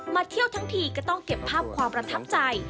เที่ยวทั้งทีก็ต้องเก็บภาพความประทับใจ